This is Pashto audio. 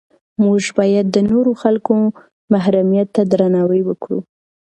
موږ باید د نورو خلکو محرمیت ته درناوی وکړو.